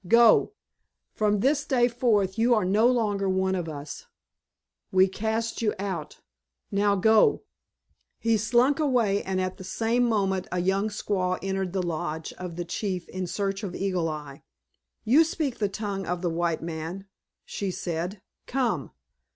Go; from this day forth you are no longer one of us. We cast you out. Now go!" He slunk away, and at the same moment a young squaw entered the lodge of the chief in search of Eagle Eye. "You speak the tongue of the white man," she said. "Come!"